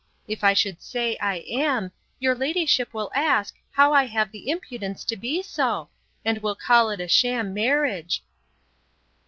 If I should say, I am, your ladyship will ask, how I have the impudence to be so?—and will call it a sham marriage.